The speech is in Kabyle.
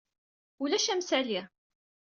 Ulac amsali.